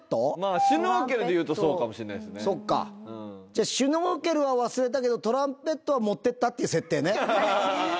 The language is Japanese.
じゃあシュノーケルは忘れたけどトランペットは持ってったっていう設定ね。